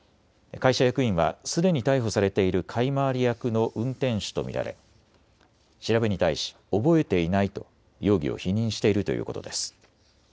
会社役員はすでに逮捕されている買い回り役の運転手と見られ調べに対し覚えていないと容疑を否認しているということです。